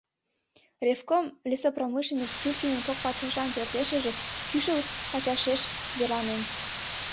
Ревком лесопромышленник Тюлькинын кок пачашан пӧртешыже, кӱшыл пачашеш, верланен.